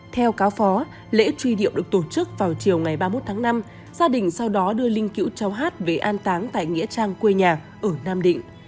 theo cáo phó lễ truy điệu được tổ chức vào chiều ngày ba mươi một tháng năm gia đình sau đó đưa linh cữu cháu hát về an táng tại nghĩa trang quê nhà ở nam định